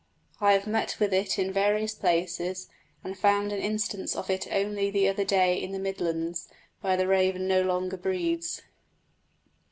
I have met with it in various places, and found an instance of it only the other day in the Midlands, where the raven no longer breeds.